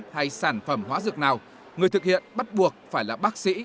hay sản phẩm hóa dược nào người thực hiện bắt buộc phải là bác sĩ